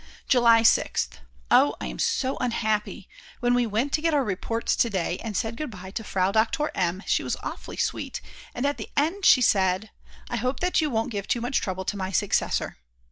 July 6th. Oh, I am so unhappy, when we went to get our reports to day and said good bye to Frau Doktor M., she was awfully sweet, and at the end she said: "I hope that you won't give too much trouble to my successor."